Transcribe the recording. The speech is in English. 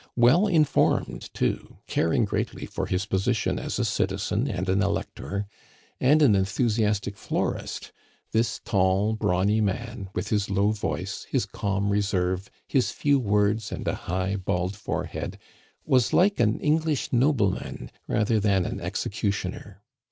Well informed too, caring greatly for his position as a citizen and an elector, and an enthusiastic florist, this tall, brawny man with his low voice, his calm reserve, his few words, and a high bald forehead, was like an English nobleman rather than an executioner.